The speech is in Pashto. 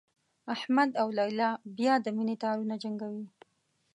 احمد او لیلا بیا د مینې تارونه جنګوي.